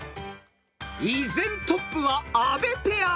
［依然トップは阿部ペア］